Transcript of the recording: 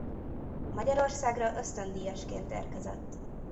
Magyarországra ösztöndíjasként érkezett.